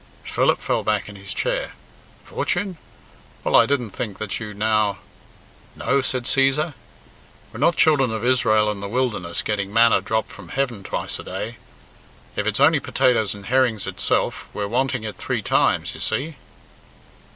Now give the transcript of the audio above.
Philip fell back in his chair. "Fortune? Well, I didn't think that you now " "No?" said Cæsar. "We're not children of Israel in the wilderness getting manna dropped from heaven twice a day. If it's only potatoes and herrings itself, we're wanting it three times, you see."